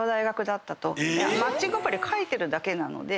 マッチングアプリ書いてるだけで。